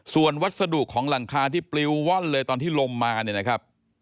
ส่วนวัสดุของหลังคาที่ปลิวว่อนเลยตอนที่ลมมาเนี่ยนะครับ